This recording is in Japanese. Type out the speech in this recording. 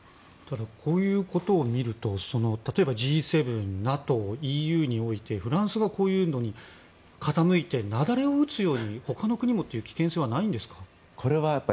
こういうことを見ると例えばＧ７ＮＡＴＯ、ＥＵにおいてフランスがこういうふうに傾いて他の国もそうなることはないんですか？